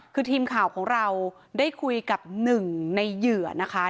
คือทีมข่าวของเราได้คุยกับหนึ่งในเหยื่อนะคะ